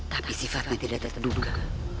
tapi sifatnya tidak terduga